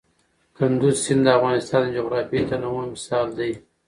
کندز سیند د افغانستان د جغرافیوي تنوع مثال دی.